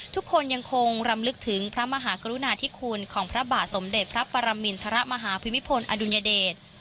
ทุกคนยังคงรำลึกถึงพระมหากรุณาธิคุณของพระบาทสมเด็จพระปรมินทรมาฮภูมิพลอดุลยเดช